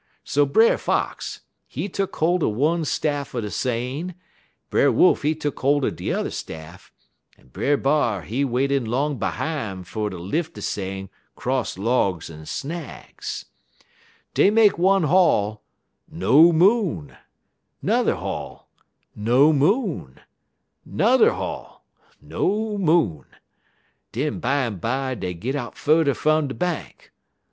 So Brer Fox, he tuck holt er one staff er de sane, Brer Wolf he tuck holt er de yuther staff, en Brer B'ar he wade 'long behime fer ter lif' de sane 'cross logs en snags. "Dey make one haul no Moon; n'er haul no Moon; n'er haul no Moon. Den bimeby dey git out furder fum de bank.